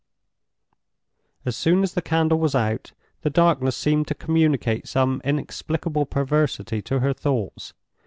As soon as the candle was out, the darkness seemed to communicate some inexplicable perversity to her thoughts.